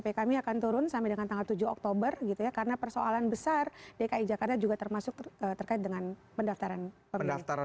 ppdp kami akan turun sampai dengan tanggal tujuh oktober karena persoalan besar dki jakarta juga termasuk terkait dengan pendaftaran pemilih